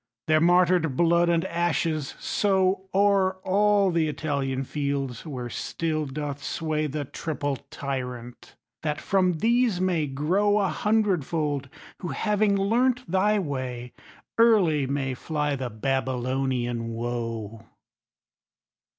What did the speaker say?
Their martyred blood and ashes sowO'er all the Italian fields, where still doth swayThe triple Tyrant; that from these may growA hundredfold, who, having learnt thy way, Early may fly the Babylonian woe.